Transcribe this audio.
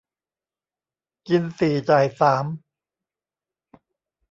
กินสี่จ่ายสาม